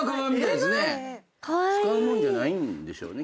使うもんじゃないんでしょうね。